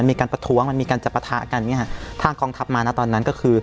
มีการจะประทะกันถ้ากองทัพมาตอนนั้น